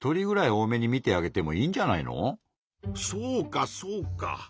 そうかそうか。